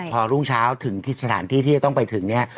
พอรุ่งเช้าถึงที่สถานที่ที่จะต้องไปถึงเนี่ย